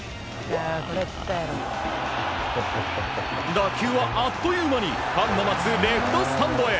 打球はあっという間にファンの待つレフトスタンドへ。